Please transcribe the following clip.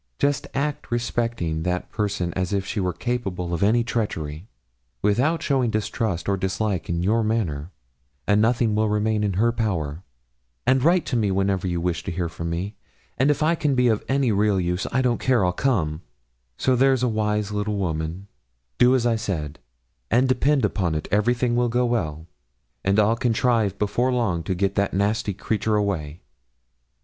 Just act respecting that person as if she were capable of any treachery, without showing distrust or dislike in your manner, and nothing will remain in her power; and write to me whenever you wish to hear from me, and if I can be of any real use, I don't care, I'll come: so there's a wise little woman; do as I've said, and depend upon it everything will go well, and I'll contrive before long to get that nasty creature away.'